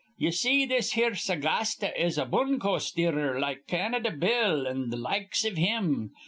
Ye see, this here Sagasta is a boonco steerer like Canada Bill, an' th' likes iv him.